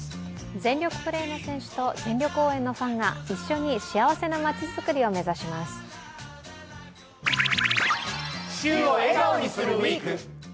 全力プレーの選手と全力応援のファンが一緒に幸せなまちづくりを目指します。